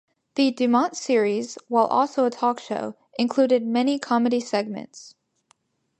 The DuMont series, while also a talk show, included many comedy segments.